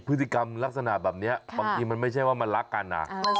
พฤติกรรมลักษณะแบบนี้บางทีมันไม่ใช่ว่ามันรักกันนะ